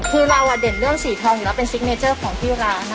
คือเราเด่นเรื่องสีทองอยู่แล้วเป็นซิกเนเจอร์ของที่ร้าน